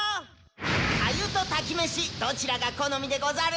かゆと炊き飯どちらが好みでござる？